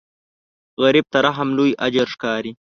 غریب ته رحم لوی اجر ښکاري